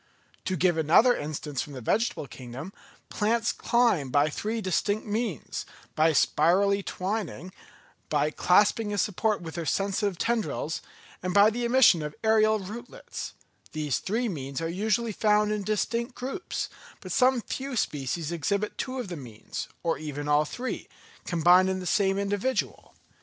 To give another instance from the vegetable kingdom: plants climb by three distinct means, by spirally twining, by clasping a support with their sensitive tendrils, and by the emission of aërial rootlets; these three means are usually found in distinct groups, but some few species exhibit two of the means, or even all three, combined in the same individual.